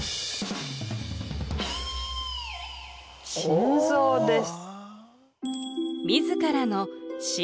「心臓」です。